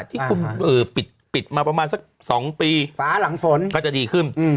ที่คุณปิดมาประมาณสัก๒ปีก็จะดีขึ้น